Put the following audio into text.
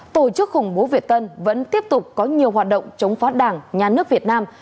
tổ chức khủng bố việt tân vẫn tiếp tục có nhiều hoạt động chống phá đảng nhà nước việt nam